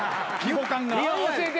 教えて。